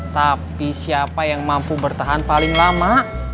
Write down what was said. tapi siapa yang mampu bertahan paling lama